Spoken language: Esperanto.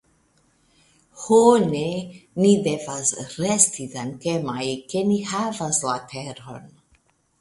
Ho ne, ni devas resti dankemaj ke ni havas la teron.